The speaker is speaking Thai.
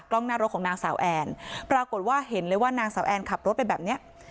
หน้ารถของนางสาวแอนปรากฏว่าเห็นเลยว่านางสาวแอนขับรถไปแบบเนี้ย